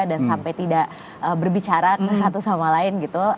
dan sampai tidak berbicara satu sama lain gitu